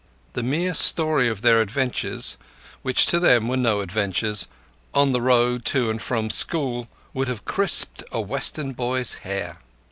The mere story of their adventures, which to them were no adventures, on their road to and from school would have crisped a Western boy's hair.